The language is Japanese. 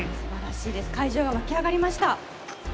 会場が沸き上がりました。